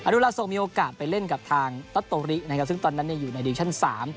ดูลาโซมีโอกาสไปเล่นกับทางตอโตรินะครับซึ่งตอนนั้นอยู่ในดิวิชั่น๓